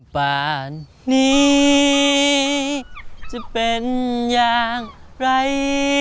ป่านนี้จะเป็นอย่างไร